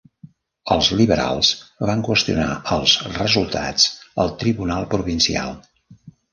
Els Liberals van qüestionar els resultats al tribunal provincial.